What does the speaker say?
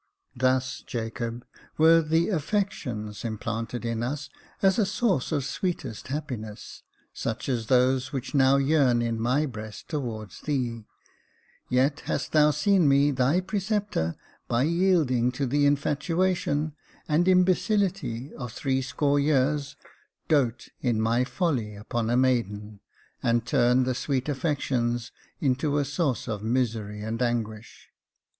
Thus, Jacob, were the affections implanted in us as a source of sweetest happiness, such as those which now yearn in my breast towards thee ; yet hast thou seen me, thy preceptor, by yielding to the infatuation and imbecility of threescore years, doat, in my folly, upon a maiden, and turn the sweet affections into a source of misery and anguish."